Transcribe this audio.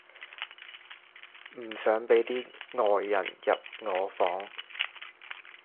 唔想再畀啲外人入我房